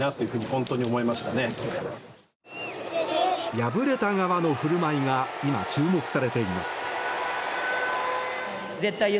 敗れた側の振る舞いが今、注目されています。